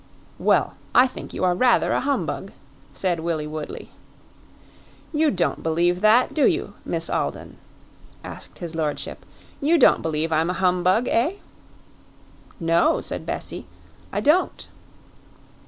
"Well, I think you are rather a humbug," said Willie Woodley. "You don't believe that do you, Miss Alden?" asked his lordship. "You don't believe I'm a humbug, eh?" "No," said Bessie, "I don't."